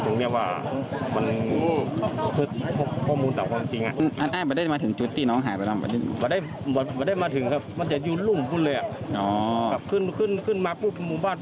เนี่ยผมจะมาผมตรงเนี่ยว่ามันพอเมาส์แต่ว่ามัน